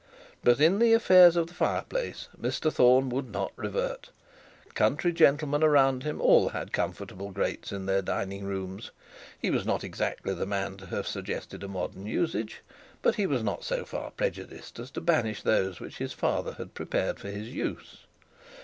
But in the affairs of the fire place, Mr Thorne would not revert. Country gentlemen around him, all had comfortable grates in their dining rooms. He was not exactly the man to have suggested a modern usage; but he was not so far prejudiced as to banish those which his father had prepared for his use.